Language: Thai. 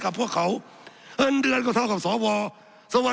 สับขาหลอกกันไปสับขาหลอกกันไป